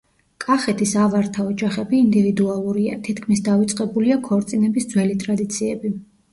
კახეთის ავართა ოჯახები ინდივიდუალურია, თითქმის დავიწყებულია ქორწინების ძველი ტრადიციები.